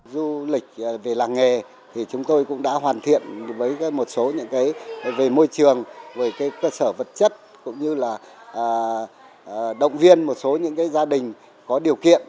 du lịch về làng nghề thì chúng tôi cũng đã hoàn thiện với một số những cái về môi trường về cái cơ sở vật chất cũng như là động viên một số những cái gia đình có điều kiện